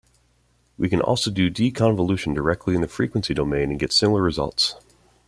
We can also do deconvolution directly in the frequency domain and get similar results.